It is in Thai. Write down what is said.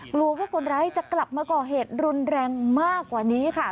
กลัวว่าคนร้ายจะกลับมาก่อเหตุรุนแรงมากกว่านี้ค่ะ